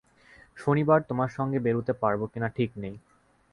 শনিবার তোমার সঙ্গে বেরুতে পারব কিনা ঠিক নেই।